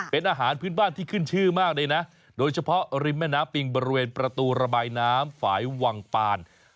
เป็นอาหารพื้นบ้านที่ขึ้นชื่อมากเลยนะโดยเฉพาะริมแม่น้ำปิงบริเวณประตูระบายน้ำฝ่ายวังปาน